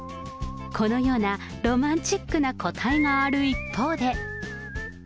このようなロマンチックな答えがある一方で。